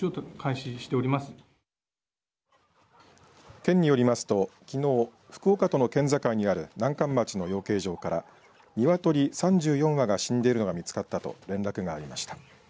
県によりますと、きのう福岡との県境にある南関町の養鶏場からニワトリ３４羽が死んでいるのが見つかったと連絡がありました。